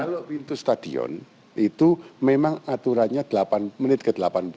kalau pintu stadion itu memang aturannya delapan menit ke delapan puluh